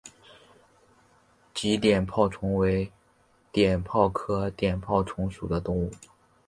鲫碘泡虫为碘泡科碘泡虫属的动物。